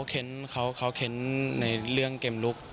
เขาเค้นในเรื่องเกมลุก